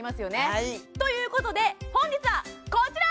はいということで本日はこちら！